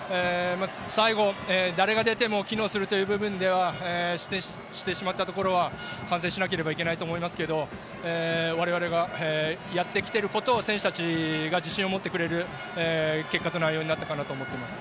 最後、誰が出ても機能するという部分では失点してしまったところは反省しなければならないと思いますけども、我々がやってきていることを選手たちが自信を持ってくれる結果と内容になったかなと思っています。